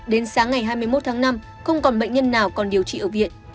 đến sáng ngày hai mươi một tháng năm không còn bệnh nhân nào còn điều trị ở viện